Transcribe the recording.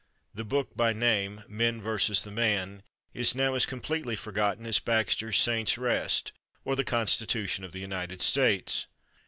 The book, by name, "Men vs. the Man," is now as completely forgotten as Baxter's "Saint's Rest" or the Constitution of the United States.